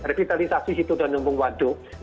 revitalisasi hitung dan umpung waduk